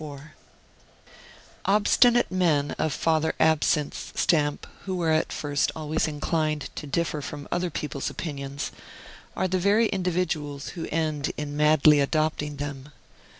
III Obstinate men of Father Absinthe's stamp, who are at first always inclined to differ from other people's opinions, are the very individuals who end in madly adopting them.